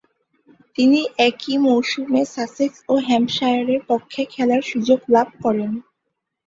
তিনি একই মৌসুমে সাসেক্স ও হ্যাম্পশায়ারের পক্ষে খেলার সুযোগ লাভ করেন।